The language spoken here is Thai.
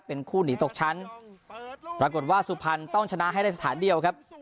เป็นคู่หนีตกชั้นปรากฏว่าสุพรรณต้องชนะให้ได้สถานเดียวครับ